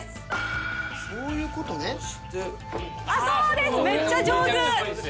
あっ、そうです、めっちゃ上手。